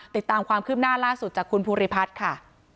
ติดตามความคืบหน้าล่าสุดจากคุณภูริพัฒน์ค่ะ